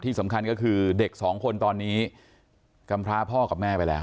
ที่สำคัญก็คือเด็กสองคนตอนนี้กำพร้าพ่อกับแม่ไปแล้ว